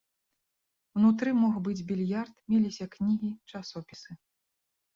Унутры мог быць більярд, меліся кнігі, часопісы.